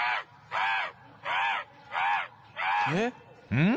［うん？